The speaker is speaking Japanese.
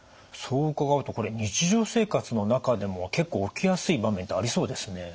そう伺うとこれ日常生活の中でも結構起きやすい場面ってありそうですね。